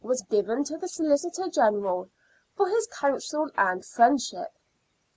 was given to the Solicitor General " for his counsel and friendship."